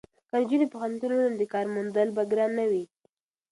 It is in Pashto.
که نجونې پوهنتون ولولي نو د کار موندل به ګران نه وي.